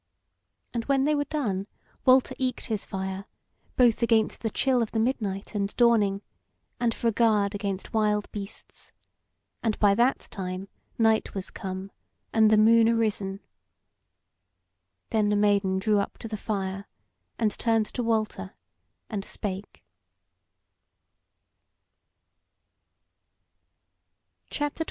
And when they were done, Walter eked his fire, both against the chill of the midnight and dawning, and for a guard against wild beasts, and by that time night was come, and the moon arisen. Then the Maiden drew up to the fire, and turned to Walter and spake.